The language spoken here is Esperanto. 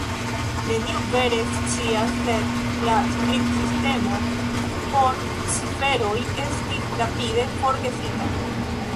Neniu vere scias sed la skribsistemo por ciferoj estis rapide forgesita